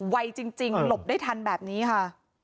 ไวจริงหลบได้ทันแบบนี้ค่ะ